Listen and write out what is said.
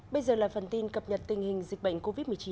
bây giờ là phần tin cập nhật tình hình dịch bệnh covid một mươi chín